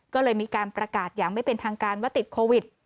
ก็เลยมีการประกาศอย่างไม่เป็นทางการว่าติดโควิด